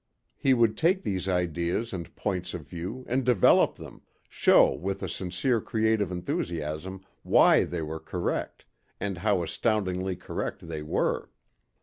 He would take these ideas and points of view and develop them, show with a sincere creative enthusiasm why they were correct and how astoundingly correct they were.